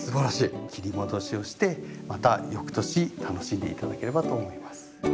切り戻しをしてまた翌年楽しんで頂ければと思います。